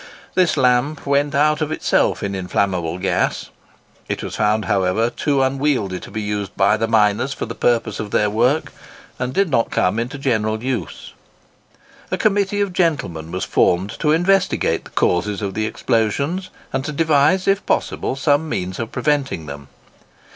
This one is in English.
This lamp went out of itself in inflammable gas. It was found, however, too unwieldy to be used by the miners for the purposes of their work, and did not come into general use. A committee of gentlemen was formed to investigate the causes of the explosions, and to devise, if possible, some means of preventing them.